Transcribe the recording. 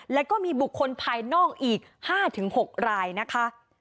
แล้วก็มีบุคคลภายนอกอีก๕๖รายนะคะ